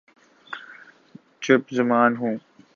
چرب زبان ہوں